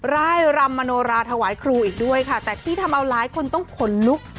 ร่ายรำมโนราถวายครูอีกด้วยค่ะแต่ที่ทำเอาหลายคนต้องขนลุก